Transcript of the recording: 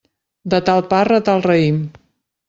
De tal parra, tal raïm.